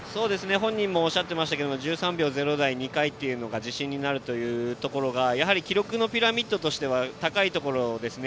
本人もおっしゃっていましたが１３秒０台２回が自信になるというのが記録のピラミッドとしては高いところですね。